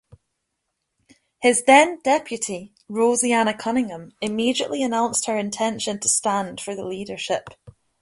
His then-depute, Roseanna Cunningham, immediately announced her intention to stand for the leadership.